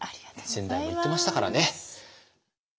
先代も言ってましたからね。